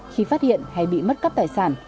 khi phát hiện hay bị mất cắp tài sản